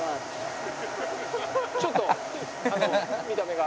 ちょっとあの見た目が。